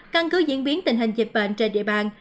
căn cứ diễn biến tình hình dịch bệnh trên địa bàn